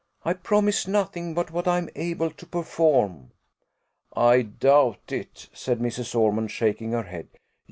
"I promise nothing but what I am able to perform." "I doubt it," said Mrs. Ormond, shaking her head.